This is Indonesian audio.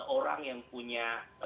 orang yang punya